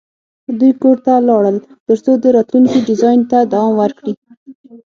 دوی کور ته لاړل ترڅو د راتلونکي ډیزاین ته دوام ورکړي